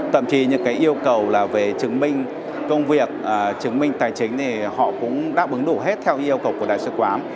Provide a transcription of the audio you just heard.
thậm chí những cái yêu cầu là về chứng minh công việc chứng minh tài chính thì họ cũng đáp ứng đủ hết theo yêu cầu của đại sứ quán